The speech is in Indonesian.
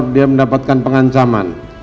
dia mendapatkan pengancaman